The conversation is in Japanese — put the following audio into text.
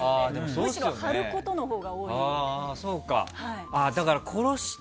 むしろ張ることのほうが多いです。